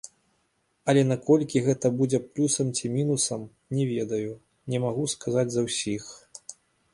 Але наколькі гэта будзе плюсам ці мінусам, не ведаю, не магу сказаць за ўсіх.